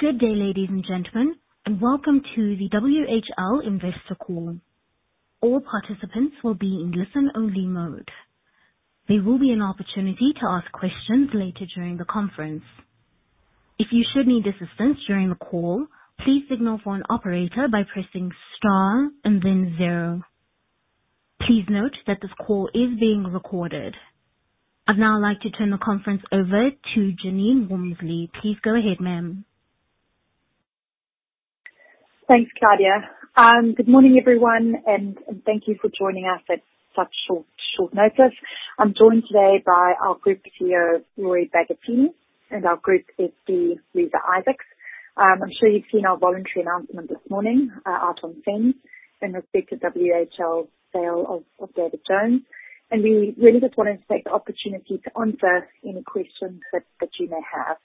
Good day, ladies and gentlemen, welcome to the WHL investor call. All participants will be in listen-only mode. There will be an opportunity to ask questions later during the conference. If you should need assistance during the call, please signal for an operator by pressing star and then zero. Please note that this call is being recorded. I'd now like to turn the conference over to Jeanine Womersley. Please go ahead, ma'am. Thanks, Claudia. Good morning, everyone, and thank you for joining us at such short notice. I'm joined today by our Group CEO, Roy Bagattini, and our Group FD, Reeza Isaacs. I'm sure you've seen our voluntary announcement this morning, out on FVTPL in respect to WHL sale of David Jones. We really just wanted to take the opportunity to answer any questions that you may have.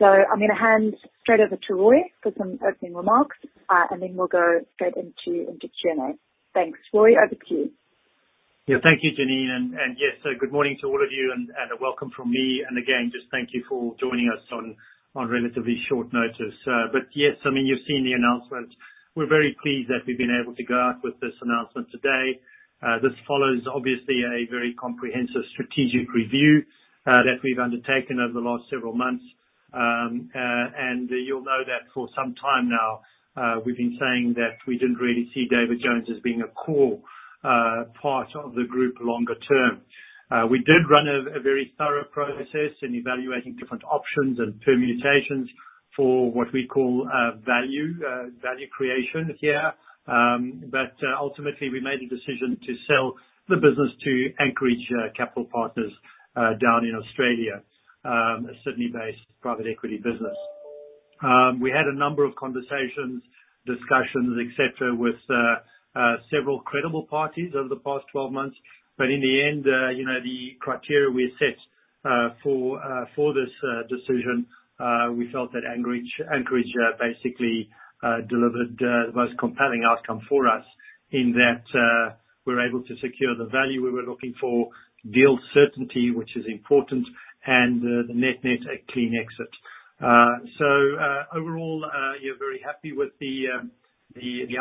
I'm gonna hand straight over to Roy for some opening remarks, and then we'll go straight into Q&A. Thanks. Roy, over to you. Yeah. Thank you, Jeanine. Yes, good morning to all of you, and welcome from me. Again, just thank you for joining us on relatively short notice. But yes, I mean, you've seen the announcement. We're very pleased that we've been able to go out with this announcement today. This follows obviously a very comprehensive strategic review that we've undertaken over the last several months. And you'll know that for some time now, we've been saying that we didn't really see David Jones as being a core part of the group longer term. We did run a very thorough process in evaluating different options and permutations for what we call value creation here. Ultimately, we made a decision to sell the business to Anchorage Capital Partners, down in Australia, a Sydney-based private equity business. We had a number of conversations, discussions, et cetera, with several credible parties over the past 12 months. In the end, you know, the criteria we set for this decision, we felt that Anchorage basically delivered the most compelling outcome for us in that we're able to secure the value we were looking for, deal certainty, which is important, and the net-net, a clean exit. Overall, very happy with the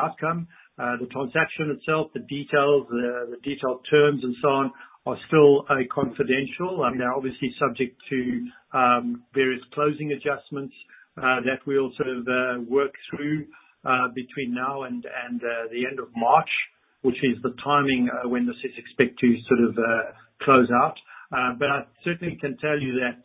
outcome. The transaction itself, the details, the detailed terms and so on are still confidential. I mean, they're obviously subject to various closing adjustments that we also work through between now and the end of March, which is the timing when this is expected to sort of close out. I certainly can tell you that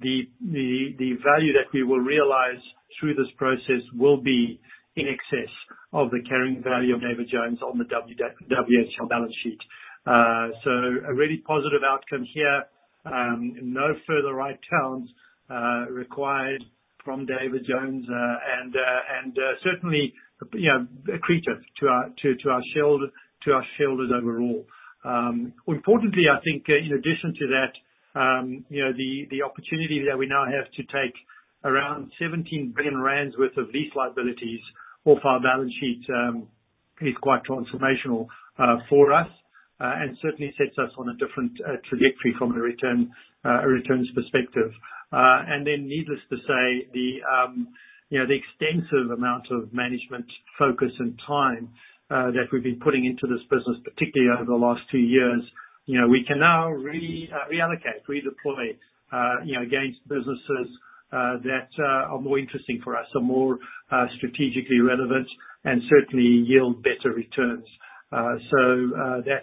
the value that we will realize through this process will be in excess of the carrying value of David Jones on the WHL balance sheet. So a really positive outcome here. No further write-downs required from David Jones. Certainly, you know, accretive to our shareholders overall. Importantly, I think, in addition to that, you know, the opportunity that we now have to take around 17 billion rand worth of lease liabilities off our balance sheet, is quite transformational for us. Certainly sets us on a different trajectory from a returns perspective. Needless to say, you know, the extensive amount of management focus and time that we've been putting into this business, particularly over the last two years, you know, we can now reallocate, redeploy, you know, against businesses that are more interesting for us. Are more strategically relevant, and certainly yield better returns. That's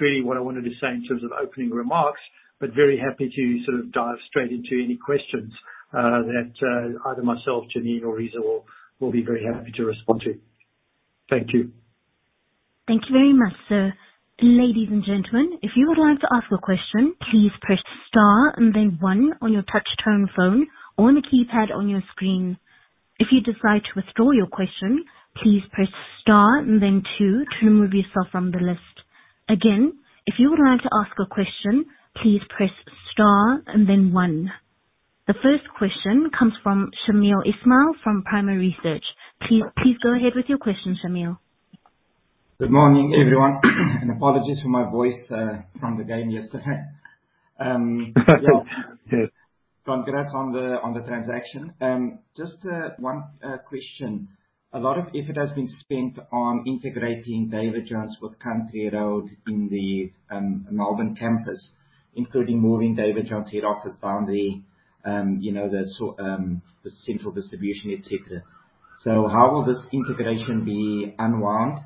really what I wanted to say in terms of opening remarks. Very happy to sort of dive straight into any questions that either myself, Jeanine or Reeza will be very happy to respond to. Thank you. Thank you very much, sir. Ladies and gentlemen, if you would like to ask a question, please press star and then 1 on your touchtone phone or on the keypad on your screen. If you decide to withdraw your question, please press star and then two to remove yourself from the list. Again, if you would like to ask a question, please press star and then one. The first question comes from Shamiel Ismail from Primaresearch. Please go ahead with your question, Shamiel. Good morning, everyone. Apologies for my voice from the game yesterday. Congrats on the transaction. Just one question. A lot of effort has been spent on integrating David Jones with Country Road in the Melbourne campus, including moving David Jones' head office boundary, you know, the so, the central distribution, et cetera. How will this integration be unwound?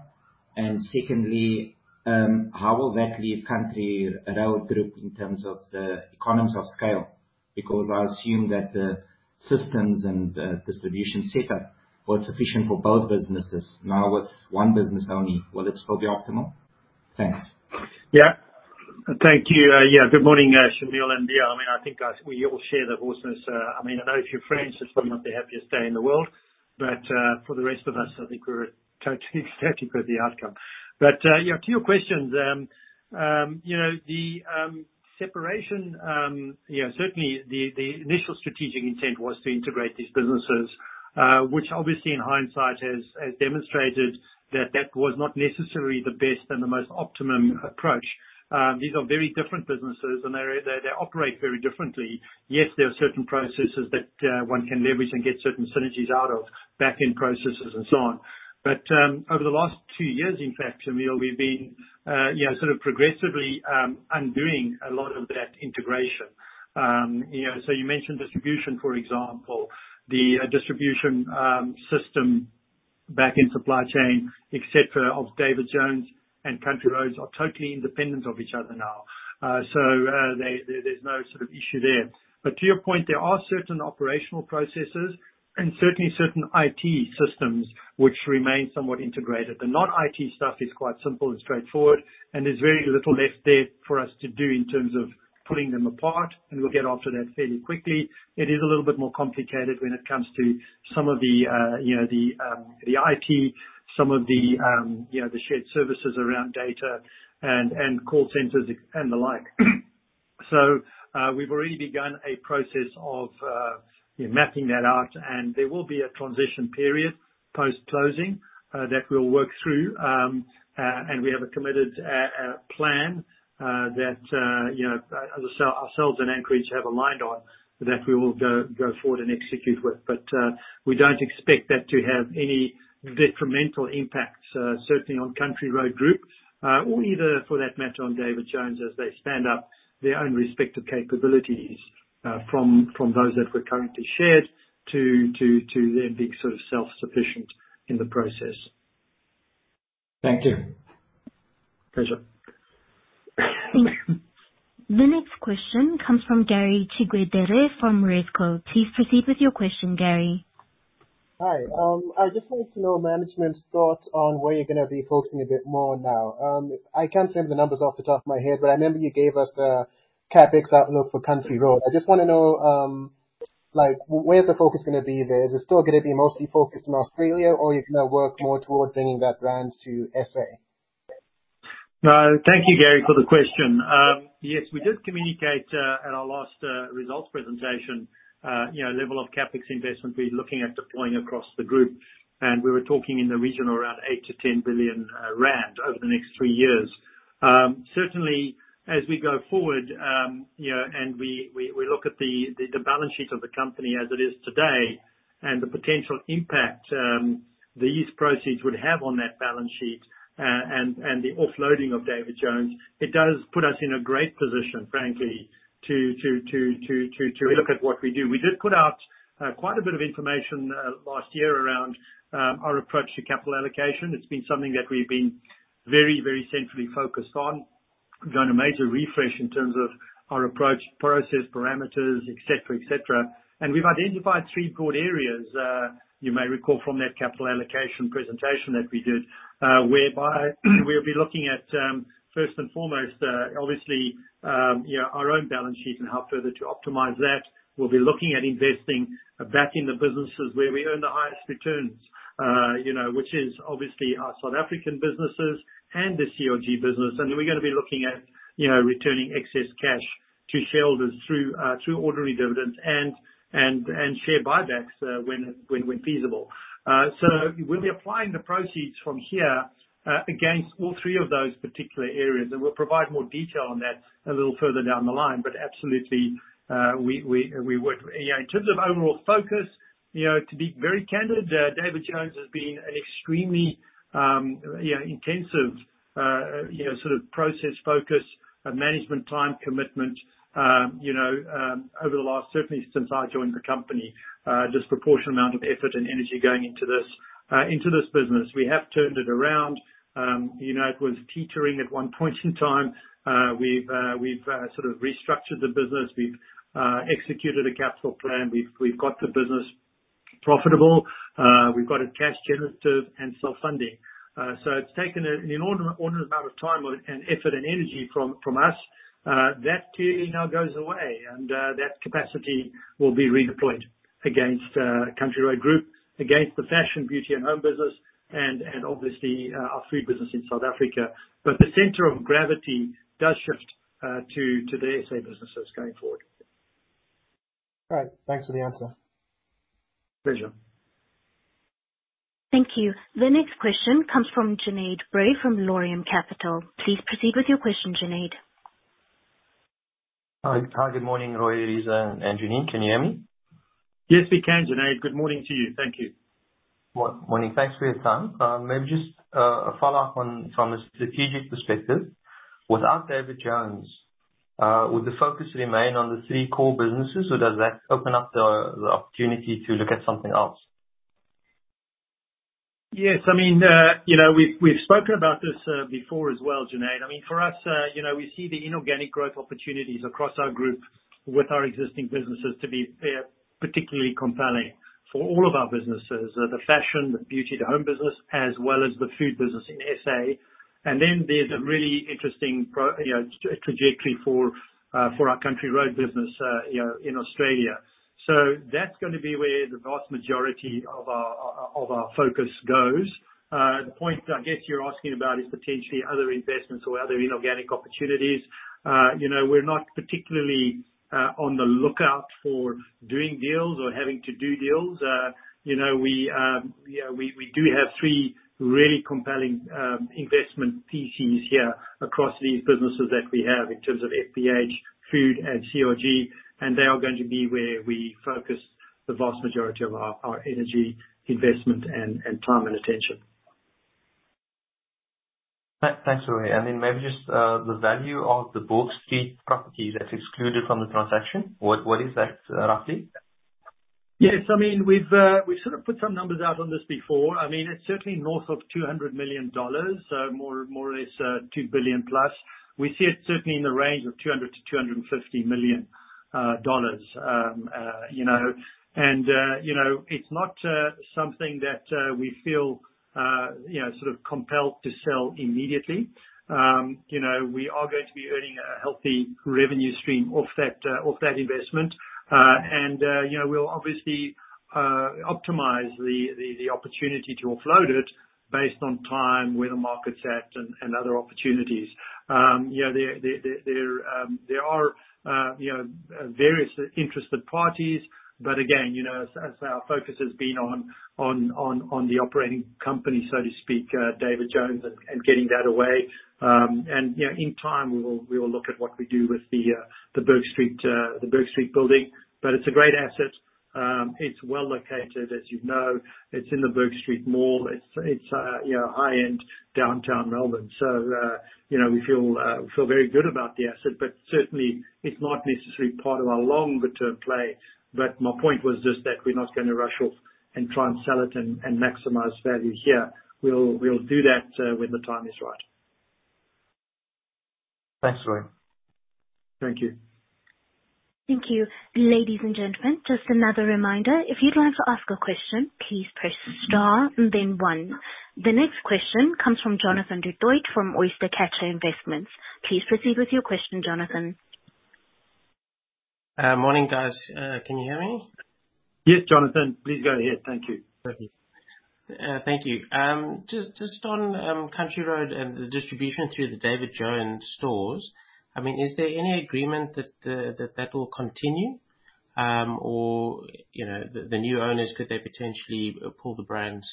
Secondly, how will that leave Country Road Group in terms of the economies of scale? Because I assume that the systems and distribution setup was sufficient for both businesses. Now with one business only, will it still be optimal? Thanks. Thank you. Good morning, Shamiel. I mean, I think we all share the closeness. I mean, I know a few friends, it's probably not the happiest day in the world. For the rest of us, I think we're totally happy with the outcome. To your questions, you know, the separation, you know, certainly the initial strategic intent was to integrate these businesses, which obviously in hindsight has demonstrated that that was not necessarily the best and the most optimum approach. These are very different businesses and they operate very differently. Yes, there are certain processes that one can leverage and get certain synergies out of back-end processes and so on. Over the last two years, in fact, Shamiel we've been, you know, sort of progressively undoing a lot of that integration. You know, you mentioned distribution, for example. The distribution system back in supply chain, et cetera, of David Jones and Country Road are totally independent of each other now. There's no sort of issue there. To your point, there are certain operational processes and certainly certain IT systems which remain somewhat integrated. The not IT stuff is quite simple and straightforward, and there's very little left there for us to do in terms of pulling them apart, and we'll get onto that fairly quickly. It is a little bit more complicated when it comes to some of the, you know, IT shared services around data and call centers and the like. We've already begun a process of, you know, mapping that out, and there will be a transition period post-closing that we'll work through. We have a committed plan that, you know, ourselves and Anchorage have aligned on that we will go forward and execute with. We don't expect that to have any detrimental impact certainly on Country Road Group or either for that matter on David Jones as they stand up their own respective capabilities from those that were currently shared to them being sort of self-sufficient in the process. Thank you. Pleasure. Thanks. The next question comes from Gary Chigwedere from RisCura. Please proceed with your question, Gary. Hi. I just wanted to know management's thoughts on where you're going to be focusing a bit more now. I can't remember the numbers off the top of my head, but I remember you gave us the CapEx outlook for Country Road. I just want to know where the focus is going to be there. Is it still going to be mostly focused on Australia or you're going to work more towards bringing that brand to S.A.? Thank you, Gary, for the question. Yes, we did communicate at our last results presentation, you know, level of CapEx investment we're looking at deploying across the group, and we were talking in the region around 8 billion-10 billion rand over the next three years. Certainly as we go forward, you know, and we look at the balance sheet of the company as it is today and the potential impact the use proceeds would have on that balance sheet, and the offloading of David Jones, it does put us in a great position, frankly, to look at what we do. We did put out quite a bit of information last year around our approach to capital allocation. It's been something that we've been very centrally focused on. Done a major refresh in terms of our approach, process, parameters, et cetera. We've identified three broad areas, you may recall from that capital allocation presentation that we did, whereby we'll be looking at, first and foremost, obviously, you know, our own balance sheet and how further to optimize that. We'll be looking at investing back in the businesses where we earn the highest returns, you know, which is obviously our South African businesses and the CRG business. Then we're gonna be looking at, you know, returning excess cash to shareholders through ordinary dividends and share buybacks, when feasible. We'll be applying the proceeds from here against all three of those particular areas, and we'll provide more detail on that a little further down the line. Absolutely, we would. You know, in terms of overall focus, you know, to be very candid, David Jones has been an extremely, you know, intensive, you know, sort of process focus and management time commitment, you know, over the last... certainly since I joined the company. Disproportionate amount of effort and energy going into this into this business. We have turned it around. You know, it was teetering at one point in time. We've sort of restructured the business. We've executed a capital plan. We've got the business profitable. We've got it cash generative and self-funding. It's taken an inordinate amount of time and effort and energy from us. That clearly now goes away, that capacity will be redeployed against Country Road Group, against the Fashion, Beauty and Home business and obviously, our food business in South Africa. The center of gravity does shift to the S.A. businesses going forward. All right. Thanks for the answer. Pleasure. Thank you. The next question comes from Junaid Bray from Laurium Capital. Please proceed with your question, Junaid. Good morning, Roy, Reeza, and Jeanine. Can you hear me? Yes, we can, Junaid. Good morning to you. Thank you. Morning. Thanks for your time. Maybe just a follow-up from a strategic perspective. Without David Jones, will the focus remain on the three core businesses, or does that open up the opportunity to look at something else? Yes. I mean, you know, we've spoken about this before as well, Junaid. I mean, for us, you know, we see the inorganic growth opportunities across our group with our existing businesses to be particularly compelling for all of our businesses, the Fashion, the Beauty, the Home business, as well as the Food business in SA. Then there's a really interesting you know, trajectory for our Country Road business, you know, in Australia. That's gonna be where the vast majority of our focus goes. The point I guess you're asking about is potentially other investments or other inorganic opportunities. You know, we're not particularly on the lookout for doing deals or having to do deals. You know, we do have three really compelling investment pieces here across these businesses that we have in terms of FBH, Food, and CRG, and they are going to be where we focus the vast majority of our energy investment and time and attention. Thanks, Roy. Then maybe just the value of the Bourke Street property that's excluded from the transaction. What is that, roughly? Yes. I mean, we've sort of put some numbers out on this before. I mean, it's certainly north of 200 million dollars, so more or less, 2 billion +. We see it certainly in the range of 200 million-250 million dollars. You know, and it's not something that we feel, you know, sort of compelled to sell immediately. You know, we are going to be earning a healthy revenue stream off that, off that investment. You know, we'll obviously, optimize the opportunity to offload it based on time, where the markets at, and other opportunities. You know, there are various interested parties, but again, you know, as our focus has been on the operating company, so to speak, David Jones and getting that away, and, you know, in time we will look at what we do with the Bourke Street building. It's a great asset. It's well located, as you know. It's in the Bourke Street Mall. It's, you know, high end downtown Melbourne. So, you know, we feel very good about the asset, but certainly it's not necessarily part of our longer term play. My point was just that we're not gonna rush off and try and sell it and maximize value here. We'll do that, when the time is right. Thanks, Roy. Thank you. Thank you. Ladies and gentlemen, just another reminder, if you'd like to ask a question, please press star and then one. The next question comes from Jonathan du Toit from OysterCatcher Investments. Please proceed with your question, Jonathan. Morning, guys. Can you hear me? Yes, Jonathan, please go ahead. Thank you. Thank you. Just on Country Road and the distribution through the David Jones stores, I mean, is there any agreement that will continue? You know, the new owners, could they potentially pull the brands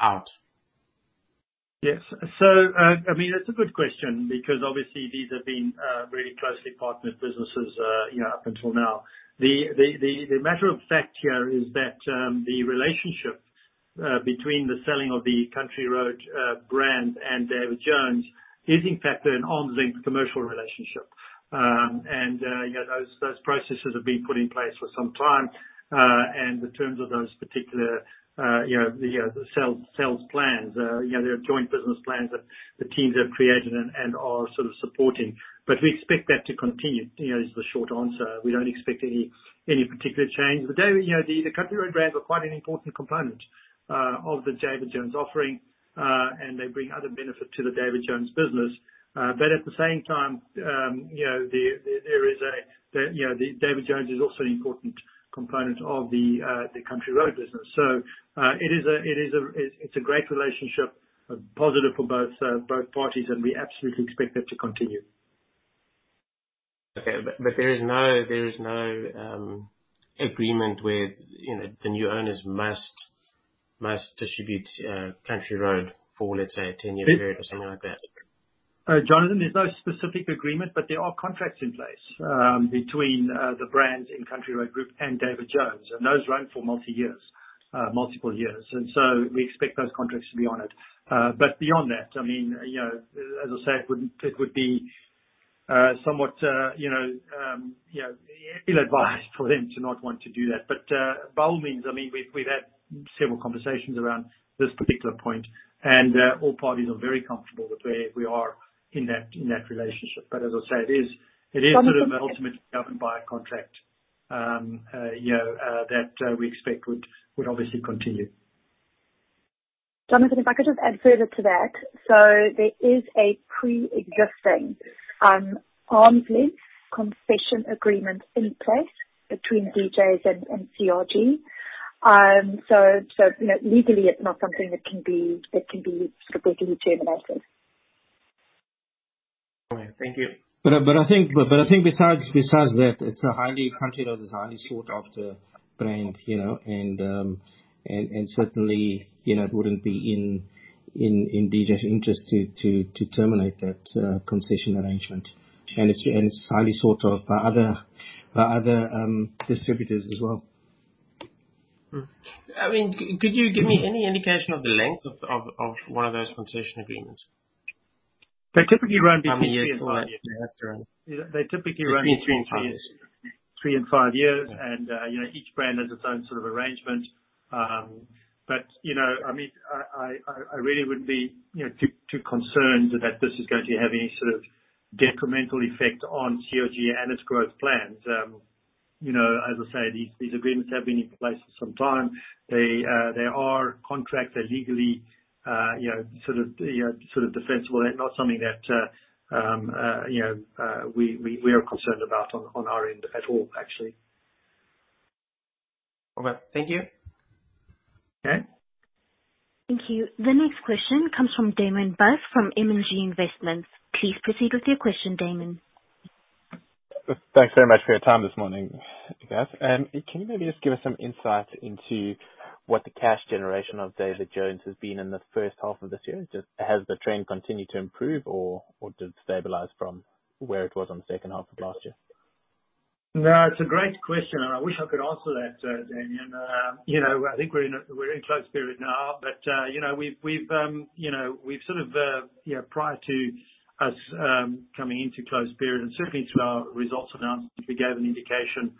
out? Yes. I mean, that's a good question because obviously these have been really closely partnered businesses, you know, up until now. The matter of fact here is that the relationship between the selling of the Country Road brand and David Jones is in fact an arm's length commercial relationship. You know, those processes have been put in place for some time. The terms of those particular, you know, the sales plans, you know, there are joint business plans that the teams have created and are sort of supporting. We expect that to continue, you know, is the short answer. We don't expect any particular change. you know, the Country Road brands are quite an important component of the David Jones offering. They bring other benefit to the David Jones business. At the same time, you know, there is a, you know, David Jones is also an important component of the Country Road business. It is a, it's a great relationship, positive for both parties, and we absolutely expect that to continue. Okay. There is no, there is no agreement where, you know, the new owners must distribute Country Road for, let's say, a 10-year period or something like that? Jonathan, there's no specific agreement, but there are contracts in place, between the brands in Country Road Group and David Jones. Those run for multi years, multiple years. We expect those contracts to be honored. Beyond that, you know, as I said, it would be somewhat, you know, ill-advised for them to not want to do that. By all means, I mean, we've had several conversations around this particular point, and all parties are very comfortable with where we are in that relationship. As I say, it is sort of ultimately governed by a contract, you know, that we expect would obviously continue. Jonathan, if I could just add further to that. There is a preexisting, arm's length concession agreement in place between DJs and CRG. You know, legally it's not something that can be sort of easily terminated. Thank you. I think besides that, Country Road is a highly sought after brand, you know, and certainly, you know, it wouldn't be in DJs interest to terminate that concession arrangement. It's highly sought of by other distributors as well. I mean, could you give me any indication of the length of one of those concession agreements? They typically run between three and five years. How many years? They typically run between three years. Three and five years. Three and five years. You know, each brand has its own sort of arrangement. You know, I mean, I, I really wouldn't be, you know, too concerned that this is going to have any sort of detrimental effect on CRG and its growth plans. You know, as I say, these agreements have been in place for some time. They are contracts that legally, you know, sort of defensible. They're not something that, you know, we are concerned about on our end at all actually. Okay, thank you. Okay. Thank you. The next question comes from Damon Buss from M&G Investments. Please proceed with your question, Damon. Thanks very much for your time this morning, guys. Can you maybe just give us some insight into what the cash generation of David Jones has been in the first half of this year? Just has the trend continued to improve or did it stabilize from where it was on the second half of last year? No, it's a great question, and I wish I could answer that, Damon. You know, I think we're in close period now, but, you know, we've, you know, we've sort of, you know, prior to us, coming into close period and certainly to our results announcement, we gave an indication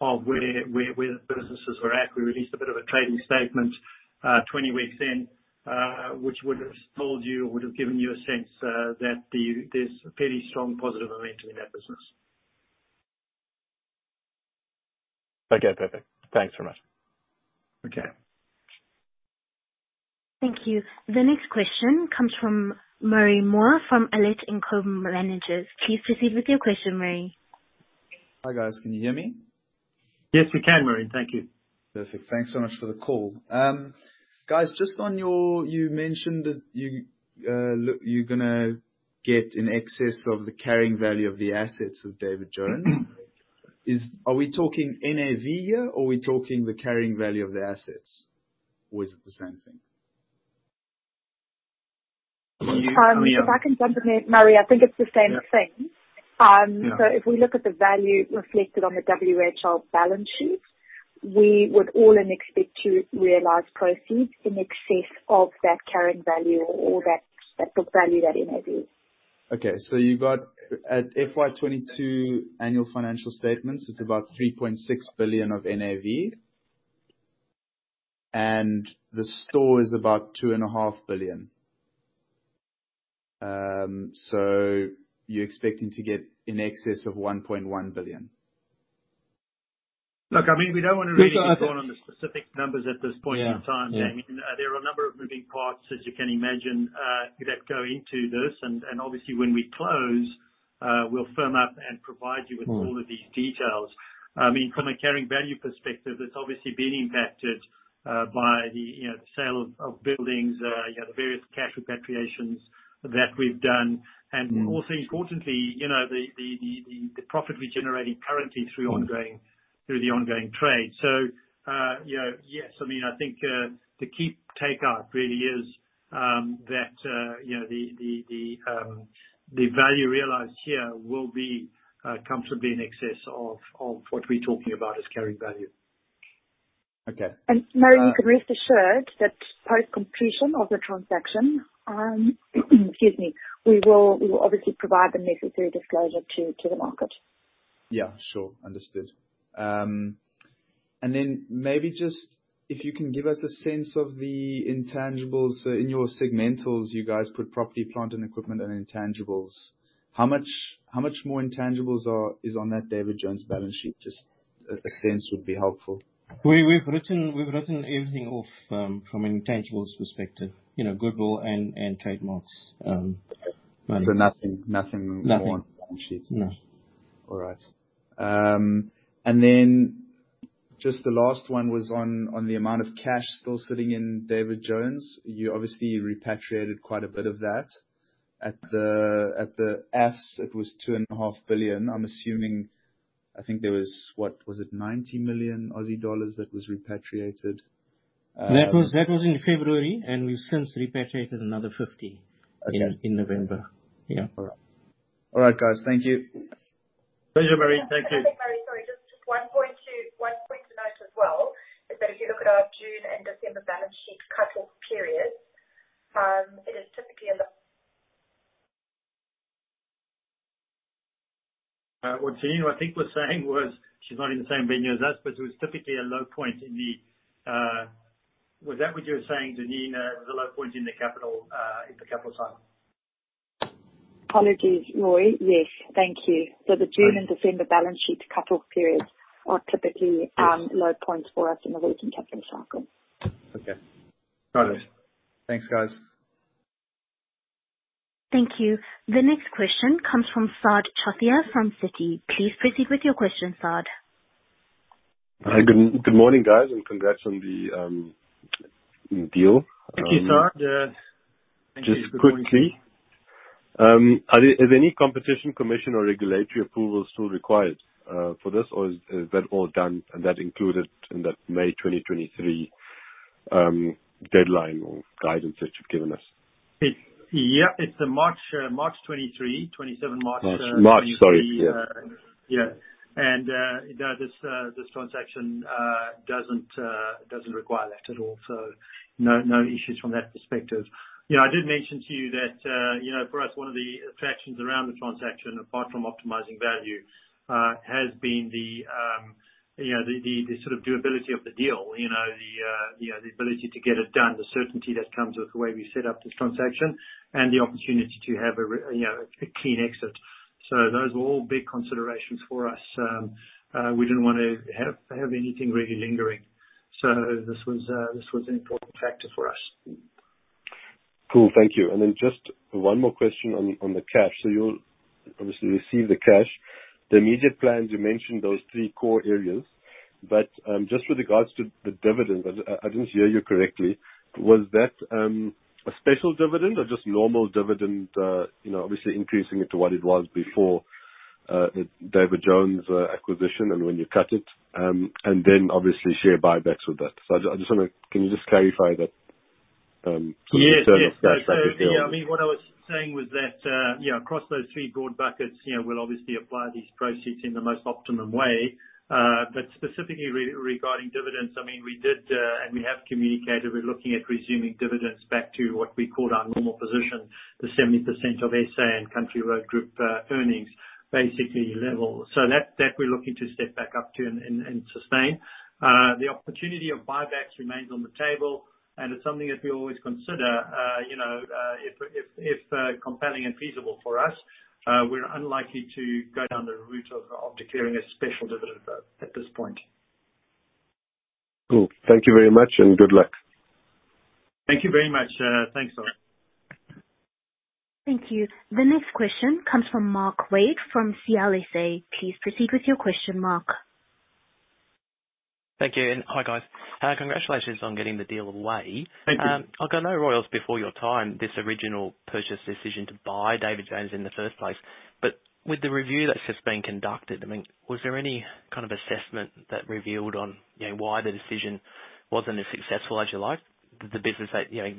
of where, where the businesses were at. We released a bit of a trading statement, 20 weeks in, which would've told you or would've given you a sense, that there's a very strong positive momentum in that business. Okay. Perfect. Thanks very much. Okay. Thank you. The next question comes from Murray Moore from Aylett & Co. Please proceed with your question, Murray. Hi, guys. Can you hear me? Yes, we can, Murray. Thank you. Perfect. Thanks so much for the call. Guys, you mentioned that you, look, you're going to get in excess of the carrying value of the assets of David Jones. Are we talking NAV here or are we talking the carrying value of the assets? Is it the same thing? Well, you, I mean. If I can jump in here, Murray, I think it's the same thing. Yeah. If we look at the value reflected on the WHL balance sheet, we would all then expect to realize proceeds in excess of that carrying value or that book value, that NAV. Okay. You got at FY 2022 annual financial statements, it's about 3.6 billion of NAV. The store is about 2.5 billion. You're expecting to get in excess of 1.1 billion? Look, I mean, we don't wanna really go on the specific numbers at this point in time. Yeah. Yeah. I mean, there are a number of moving parts, as you can imagine, that go into this and obviously when we close, we'll firm up and provide you... Mm. With all of these details. I mean, from a carrying value perspective, it's obviously been impacted, by the, you know, the sale of buildings, you know, the various cash repatriations that we've done. Mm. Also importantly, you know, the profit we're generating currently through the ongoing trade. You know, yes, I mean, I think the key take out really is that, you know, the value realized here will be comfortably in excess of what we're talking about as carrying value. Okay. Murray, you can rest assured that post-completion of the transaction, excuse me, we will obviously provide the necessary disclosure to the market. Yeah. Sure. Understood. Then maybe just if you can give us a sense of the intangibles in your segmentals, you guys put property, plant and equipment and intangibles. How much more intangibles are, is on that David Jones balance sheet? Just a sense would be helpful. We've written everything off, from an intangibles perspective, you know, goodwill and trademarks. Nothing, nothing more- Nothing on the balance sheet? No. All right. Then just the last one was on the amount of cash still sitting in David Jones. You obviously repatriated quite a bit of that. At the ats, it was 2.5 billion. I'm assuming, I think there was, what was it, 90 million Aussie dollars that was repatriated? That was in February, and we've since repatriated another 50. Okay. In November. Yeah. All right. All right, guys. Thank you. Pleasure, Murray. Thank you. I think, Murray, sorry, just one point to note as well is that if you look at our June and December balance sheet cutoff periods, it is typically. What Janine, I think was saying was she's not in the same venue as us, but it was typically a low point in the. Was that what you were saying, Janine? It was a low point in the capital, in the capital cycle. Apologies, Roy. Yes. Thank you. Great. The June and December balance sheet cutoff periods are typically. Yes. low points for us in the working capital cycle. Okay. Got it. Thanks, guys. Thank you. The next question comes from Saad Chothia from Citi. Please proceed with your question, Sa'ad. Hi. Good morning, guys, and congrats on the deal. Thank you, Sa'ad. Thank you. Just quickly, is any competition, commission or regulatory approval still required for this? Or is that all done and that included in that May 2023 deadline or guidance that you've given us? Yeah. It's March 23, 27 March. March. March, sorry. Yeah. Yeah. you know, this transaction doesn't require that at all, so no issues from that perspective. You know, I did mention to you that, you know, for us, one of the attractions around the transaction, apart from optimizing value, has been, you know, the, the sort of doability of the deal, you know, the, you know, the ability to get it done, the certainty that comes with the way we set up this transaction and the opportunity to have a you know, a clean exit. Those are all big considerations for us. We didn't want to have anything really lingering. This was an important factor for us. Cool. Thank you. Just one more question on the cash. You'll obviously receive the cash. The immediate plans, you mentioned those three core areas, but just with regards to the dividend, I didn't hear you correctly. Was that a special dividend or just normal dividend, you know, obviously increasing it to what it was before the David Jones acquisition and when you cut it, and then obviously share buybacks with that. I just wanna... Can you just clarify that sort of in terms of cash back to- Yes. Yes. Yeah. I mean, what I was saying was that, you know, across those three broad buckets, you know, we'll obviously apply these proceeds in the most optimum way. Specifically regarding dividends, I mean, we did, and we have communicated, we're looking at resuming dividends back to what we called our normal position, the 70% of SA and Country Road Group, earnings basically level. That we're looking to step back up to and sustain. The opportunity of buybacks remains on the table, and it's something that we always consider, you know, if compelling and feasible for us. We're unlikely to go down the route of declaring a special dividend, though, at this point. Cool. Thank you very much, and good luck. Thank you very much. Thanks, Saad. Thank you. The next question comes from Mark Wade from CLSA. Please proceed with your question, Mark. Thank you, hi, guys. Congratulations on getting the deal away. Thank you. Look, I know Roy before your time, this original purchase decision to buy David Jones in the first place. With the review that's just been conducted, I mean, was there any kind of assessment that revealed on, you know, why the decision wasn't as successful as you liked? The business that, you know,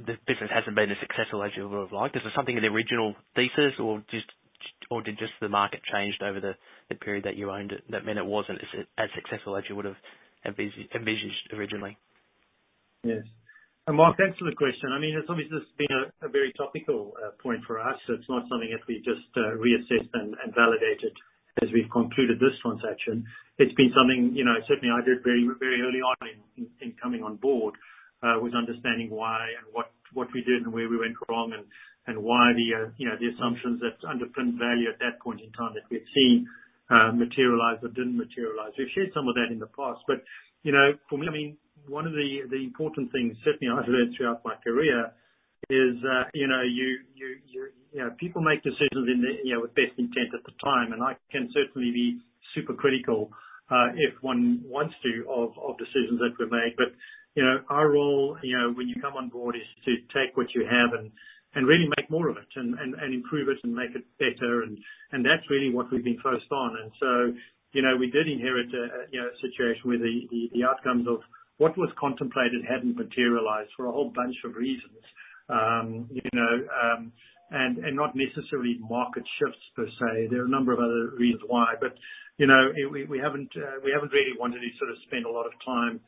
the business hasn't been as successful as you would've liked. Is there something in the original thesis or did just the market changed over the period that you owned it, that meant it wasn't as successful as you would've envisioned originally? Yes. Mark, thanks for the question. I mean, it's obviously been a very topical point for us. It's not something that we just reassessed and validated as we've concluded this transaction. It's been something, you know, certainly I did very, very early on in coming on board, was understanding why and what we did and where we went wrong and why the, you know, the assumptions that underpinned value at that point in time that we had seen, materialize or didn't materialize. We've shared some of that in the past. You know, for me, I mean, one of the important things, certainly I've learned throughout my career is, you know, people make decisions in the, you know, with best intent at the time. I can certainly be super critical of decisions that were made. You know, our role, you know, when you come on board is to take what you have and really make more of it and improve it and make it better and that's really what we've been focused on. You know, we did inherit, you know, a situation where the outcomes of what was contemplated hadn't materialized for a whole bunch of reasons. You know, and not necessarily market shifts per se. There are a number of other reasons why. You know, we haven't really wanted to sort of spend a lot of time,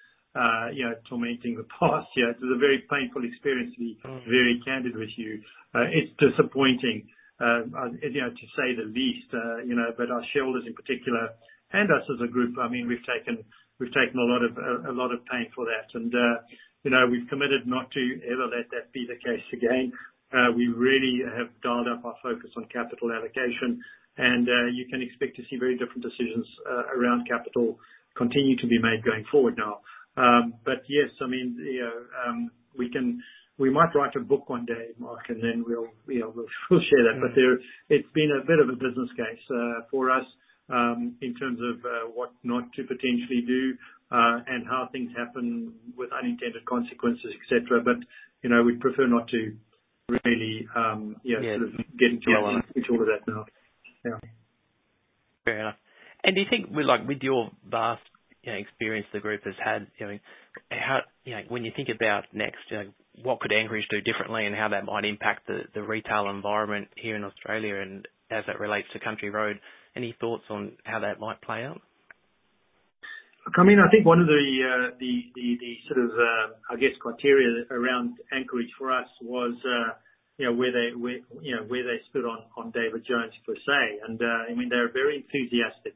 you know, tormenting the past. You know, it was a very painful experience to be very candid with you. It's disappointing, you know, to say the least. You know, our shareholders in particular, and us as a group, I mean, we've taken a lot of pain for that. You know, we've committed not to ever let that be the case again. We really have dialed up our focus on capital allocation, and you can expect to see very different decisions around capital continue to be made going forward now. Yes, I mean, you know, we might write a book one day, Mark, and then we'll, you know, we'll share that. There... It's been a bit of a business case, for us, in terms of, what not to potentially do, and how things happen with unintended consequences, et cetera. You know, we'd prefer not to really. Yeah sort of get into all of that now. Yeah. Fair enough. Do you think with, like, with your vast, you know, experience the group has had, you know, when you think about next, you know, what could Anchorage do differently and how that might impact the retail environment here in Australia and as that relates to Country Road, any thoughts on how that might play out? ink one of the criteria around Anchorage for us was, you know, where they stood on David Jones per se. I mean, they're very enthusiastic,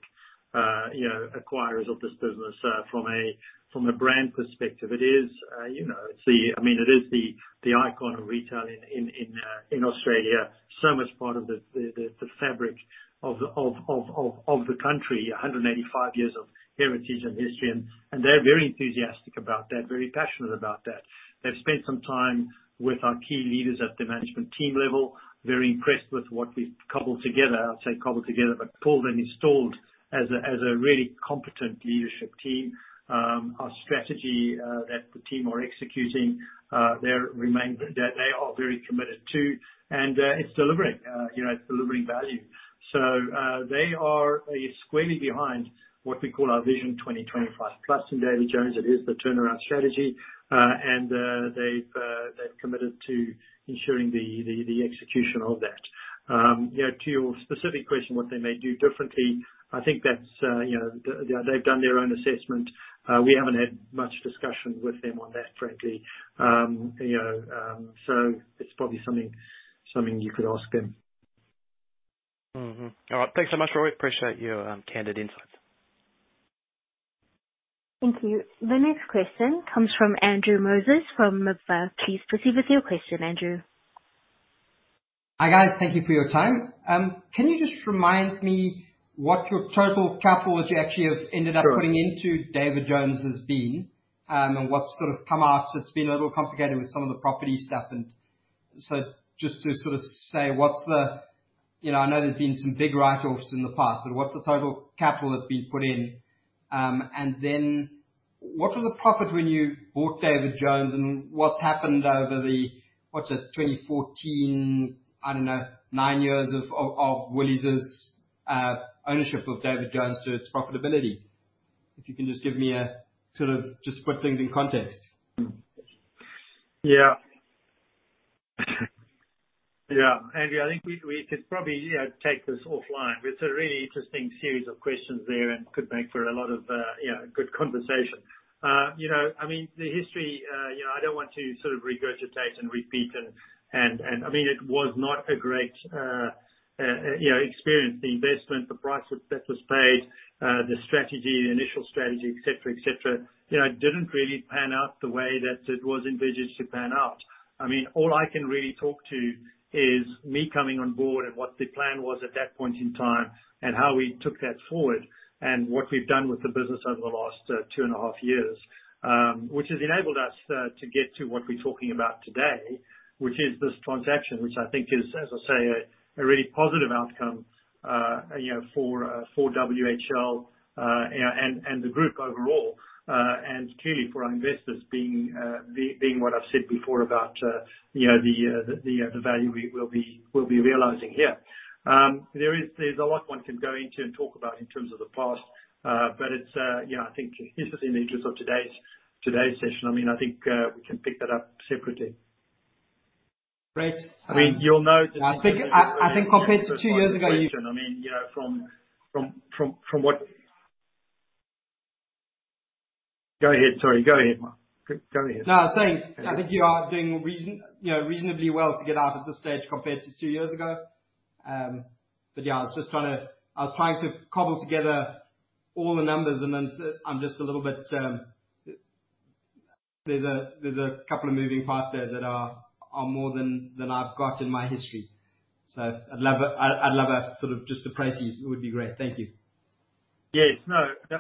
you know, acquirers of this business from a brand perspective. It is, you know, it's the, I mean, it is the icon of retail in Australia, so much part of the fabric of the country. 185 years of heritage and history, and they're very enthusiastic about that, very passionate about that. They've spent some time with our key leaders at the management team level, very impressed with what we've cobbled together I'd say cobbled together, but pulled and installed as a really competent leadership team. Our strategy that the team are executing, they are very committed to. It's delivering. You know, it's delivering value. They are squarely behind what we call our Vision 2025+ in David Jones. It is the turnaround strategy. They've committed to ensuring the execution of that. You know, to your specific question, what they may do differently, I think that's, you know, they've done their own assessment. We haven't had much discussion with them on that, frankly. You know, it's probably something you could ask them. All right. Thanks so much, Roy. Appreciate your candid insights. Thank you. The next question comes from Andrew Moses from MIBFA. Please proceed with your question, Andrew. Hi, guys. Thank you for your time. Can you just remind me what your total capital that you actually have ended up? Sure. Putting into David Jones has been, what's sort of come out? It's been a little complicated with some of the property stuff and... Just to sort of say, you know, I know there's been some big write-offs in the past, but what's the total capital that's been put in? What was the profit when you bought David Jones, and what's happened over the, what's it, 2014, I don't know, 9 years of Woolies's ownership of David Jones to its profitability? If you can just give me a sort of just to put things in context. Yeah. Yeah. Yeah, I think we could probably, you know, take this offline. It's a really interesting series of questions there and could make for a lot of, you know, good conversation. You know, I mean, the history, you know, I don't want to sort of regurgitate and repeat and, I mean, it was not a great, you know, experience. The investment, the price that was paid, the strategy, the initial strategy, et cetera, et cetera, you know, didn't really pan out the way that it was envisaged to pan out. I mean, all I can really talk to is me coming on board and what the plan was at that point in time, and how we took that forward and what we've done with the business over the last, two and a half years. Which has enabled us to get to what we're talking about today, which is this transaction, which I think is, as I say, a really positive outcome, you know, for WHL, you know, and the group overall. Clearly for our investors being what I've said before about, you know, the value we will be, we'll be realizing here. There is, there's a lot one can go into and talk about in terms of the past, but it's, you know, I think it's in the interest of today's session. I mean, I think we can pick that up separately. Great. I mean, you'll know that. I think compared to two years ago. I mean, you know, from what. Go ahead. Sorry. Go ahead, Andrew. Go ahead. No, I was saying I think you are doing you know, reasonably well to get out at this stage compared to two years ago. Yeah, I was just trying to cobble together all the numbers and then to. I'm just a little bit. There's a couple of moving parts there that are more than I've got in my history. I'd love a sort of just to price you. It would be great. Thank you. Yes. No, no.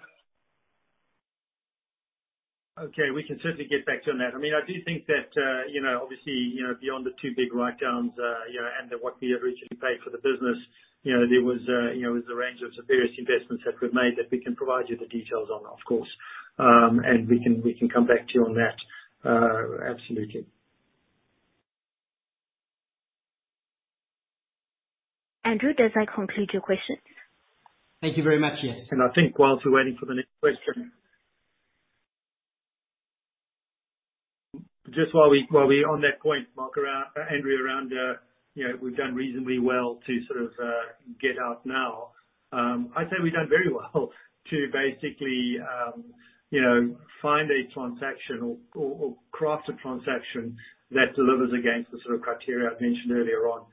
Okay, we can certainly get back to you on that. I mean, I do think that, you know, obviously, you know, beyond the two big write downs, you know, and then what we originally paid for the business, you know, there was, you know, was the range of various investments that we've made that we can provide you the details on, of course. And we can, we can come back to you on that, absolutely. Andrew, does that conclude your questions? Thank you very much. Yes. I think whilst we're waiting for the next question. Just while we're on that point, Mark, around Henry, around, you know, we've done reasonably well to sort of get out now. I'd say we've done very well to basically, you know, find a transaction or craft a transaction that delivers against the sort of criteria I mentioned earlier on.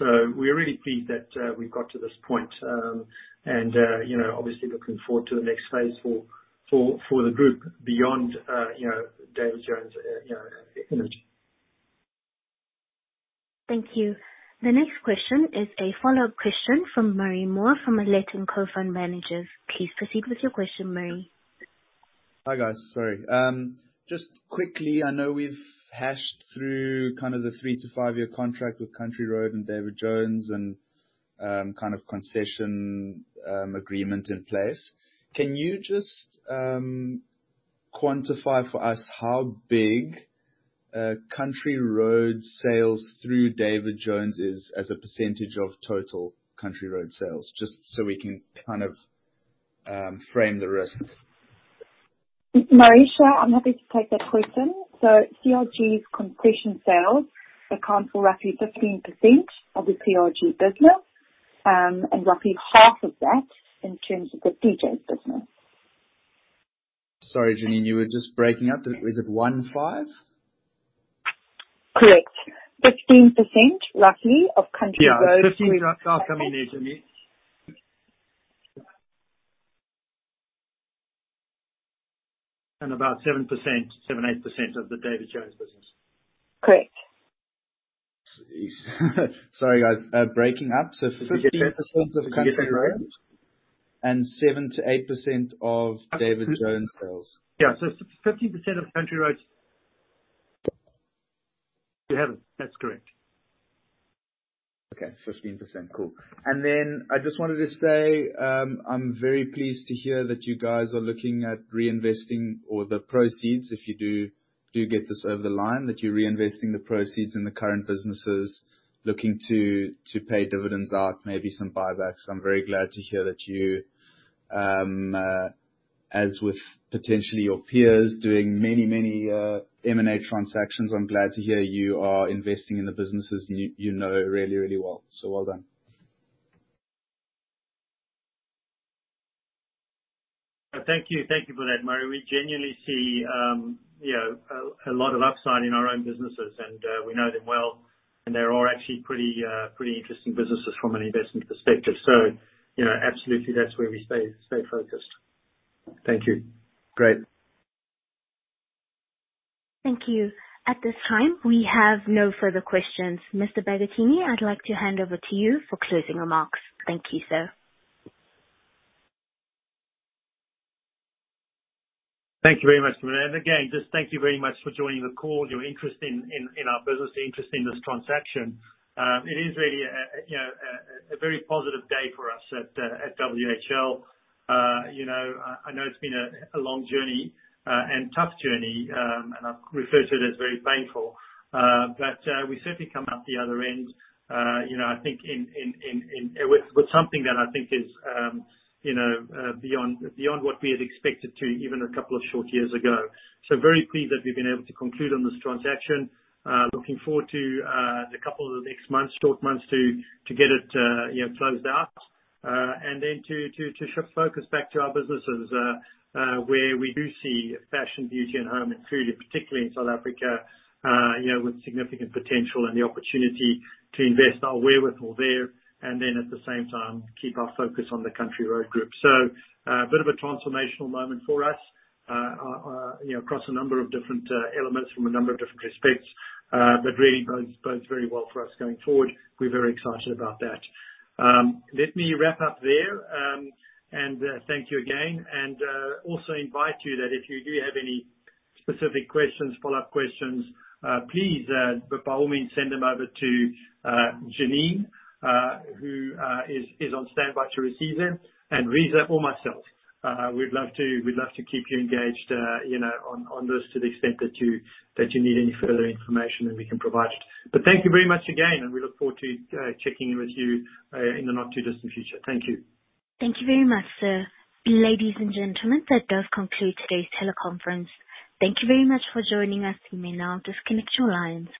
We're really pleased that we've got to this point. You know, obviously looking forward to the next phase for the group beyond, you know, David Jones, you know, image. Thank you. The next question is a follow-up question from Murray Moore from Aylett & Co. Fund Managers. Please proceed with your question, Murray. Hi, guys. Sorry. Just quickly, I know we've hashed through kind of the 3-5-year contract with Country Road and David Jones and kind of concession agreement in place. Can you just quantify for us how big Country Road sales through David Jones is as a percentage of total Country Road sales? Just so we can kind of frame the risk. It's Mareesha. I'm happy to take that question. CRG's concession sales account for roughly 15% of the CRG business, and roughly half of that in terms of the DJ's business. Sorry, Jeanine. You were just breaking up. Is it 15? Correct. 15% roughly of Country Road- Yeah. 15. I'll come in here, Jeanine. About 7%, 7%-8% of the David Jones business. Correct. Sorry, guys. Breaking up. 15%- You get that? You get that, Murray? -of Country Road and 7%-8% of David Jones sales. Yeah. 15% of Country Road. You have it. That's correct. Okay. 15%. Cool. I just wanted to say, I'm very pleased to hear that you guys are looking at reinvesting or the proceeds if you do get this over the line, that you're reinvesting the proceeds in the current businesses looking to pay dividends out, maybe some buybacks. I'm very glad to hear that you, as with potentially your peers doing many M&A transactions, I'm glad to hear you are investing in the businesses you know really, really well. Well done. Thank you. Thank you for that, Murray. We genuinely see, you know, a lot of upside in our own businesses and, we know them well, and they are all actually pretty interesting businesses from an investment perspective. You know, absolutely that's where we stay focused. Thank you. Great. Thank you. At this time, we have no further questions. Mr. Bagattini, I'd like to hand over to you for closing remarks. Thank you, sir. Thank you very much, Claudia. Again, just thank you very much for joining the call, your interest in our business, your interest in this transaction. It is really, you know, a very positive day for us at WHL. You know, I know it's been a long journey and tough journey, and I've referred to it as very painful. We certainly come out the other end, you know, I think with something that I think is, you know, beyond what we had expected to even a couple of short years ago. Very pleased that we've been able to conclude on this transaction. Looking forward to the couple of the next months, short months to get it, you know, closed out. To shift focus back to our businesses, where we do see Fashion, Beauty and Home, including particularly in South Africa, you know, with significant potential and the opportunity to invest our wherewithal there. At the same time, keep our focus on the Country Road Group. A bit of a transformational moment for us, you know, across a number of different elements from a number of different respects, but really bodes very well for us going forward. We're very excited about that. Let me wrap up there, and thank you again. Also invite you that if you do have any specific questions, follow-up questions, please by all means send them over to Jeanine, who is on standby to receive them, and Riza or myself. We'd love to keep you engaged, you know, on this to the extent that you need any further information that we can provide it. Thank you very much again, and we look forward to checking in with you in the not too distant future. Thank you. Thank you very much, sir. Ladies and gentlemen, that does conclude today's teleconference. Thank you very much for joining us. You may now disconnect your lines.